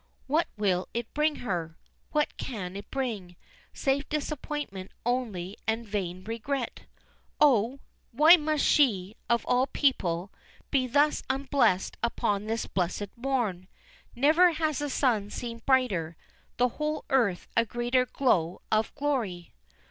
What will it bring her? What can it bring, save disappointment only and a vain regret? Oh! why must she, of all people, be thus unblessed upon this blessed morn? Never has the sun seemed brighter the whole earth a greater glow of glory.